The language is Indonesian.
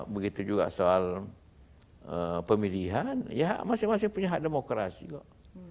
begitu juga soal pemilihan ya masing masing punya hak demokrasi kok